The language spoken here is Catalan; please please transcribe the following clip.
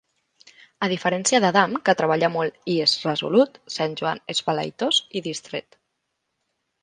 A diferència d'Adam, que treballa molt i és resolut, Sant Joan és vel·leïtós i distret.